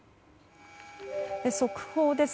速報です。